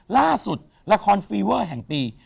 ล่าสุดละครฟีเวอร์แห่งปี